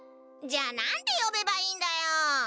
じゃあなんてよべばいいんだよ？